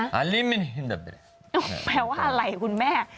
หุ่นดีจริงนะแปลว่าอะไรคุณแม่